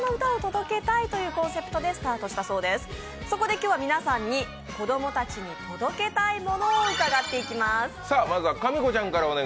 今日は、皆さんに子ども達に届けたいものを伺っていきます。